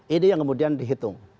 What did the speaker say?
ini yang kemudian dihitung